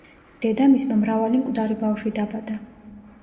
დედამისმა მრავალი მკვდარი ბავშვი დაბადა.